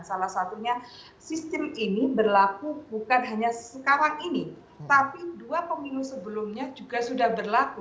salah satunya sistem ini berlaku bukan hanya sekarang ini tapi dua pemilu sebelumnya juga sudah berlaku